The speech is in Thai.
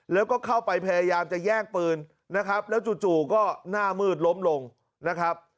แล้วก็เข้าไปพยายามจะแย่งปืนนะครับแล้วจู่ก็หน้ามืดล้มลงนะครับ